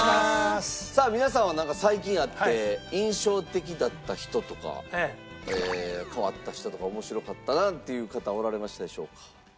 さあ皆さんはなんか最近会って印象的だった人とか変わった人とか面白かったなっていう方おられましたでしょうか？